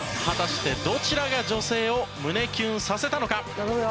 果たしてどちらが女性を胸キュンさせたのか？